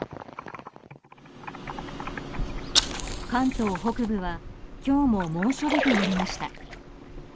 関東北部は今日も猛暑日となりました。